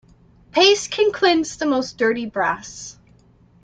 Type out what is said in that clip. Paste can cleanse the most dirty brass.